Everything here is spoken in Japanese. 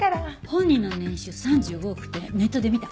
本人の年収３５億ってネットで見た。